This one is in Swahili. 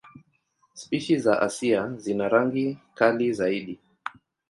Spishi za Asia zina rangi kali zaidi.